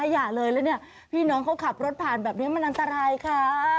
อย่าเลยแล้วเนี่ยพี่น้องเขาขับรถผ่านแบบนี้มันอันตรายค่ะ